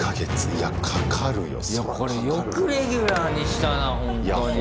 いやこれよくレギュラーにしたなほんとに。